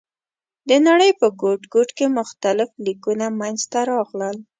د نړۍ په ګوټ ګوټ کې مختلف لیکونه منځ ته راغلل.